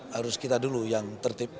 harus kita dulu yang tertib